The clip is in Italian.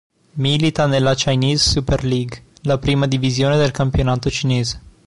Milita nella Chinese Super League, la prima divisione del campionato cinese.